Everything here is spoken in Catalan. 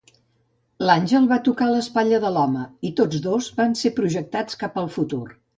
L'àngel va tocar l'espatlla de l'home, i tots dos van ser projectats cap al futur.